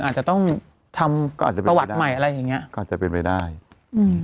อาจจะต้องทำก็อาจจะเป็นประวัติใหม่อะไรอย่างเงี้ยก็อาจจะเป็นไปได้อืม